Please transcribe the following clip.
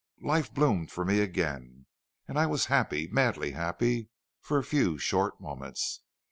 "Life bloomed for me again, and I was happy, madly happy for a few short moments.